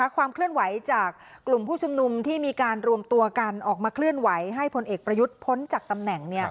ความเคลื่อนไหวจากกลุ่มผู้ชุมนุมที่มีการรวมตัวกันออกมาเคลื่อนไหวให้พลเอกประยุทธ์พ้นจากตำแหน่ง